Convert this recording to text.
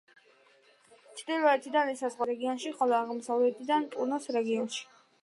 ჩრდილოეთიდან ესაზღვრება არეკიპას რეგიონი, ხოლო აღმოსავლეთიდან პუნოს რეგიონი.